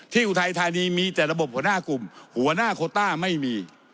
อุทัยธานีมีแต่ระบบหัวหน้ากลุ่มหัวหน้าโคต้าไม่มี